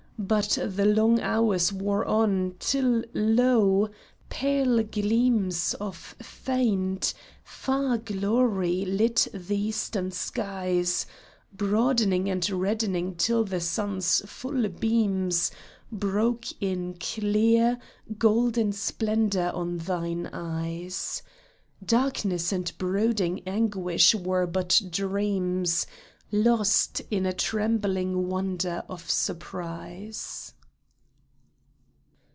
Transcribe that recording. But the long hours wore on, till lo ! pale gleams Of faint, far glory lit the eastern skies, Broadening and reddening till the sun's full beams Broke in clear, golden splendor on thine eyes. Darkness and brooding anguish were but dreams, Lost in a trembling wonder of surprise